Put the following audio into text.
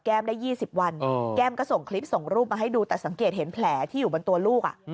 ได้๒๐วันแก้มก็ส่งคลิปส่งรูปมาให้ดูแต่สังเกตเห็นแผลที่อยู่บนตัวลูก